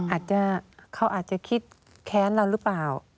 อาจจะเขาอาจจะคิดแค้นเราหรือเปล่า